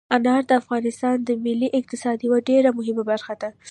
انار د افغانستان د ملي اقتصاد یوه ډېره مهمه برخه ده.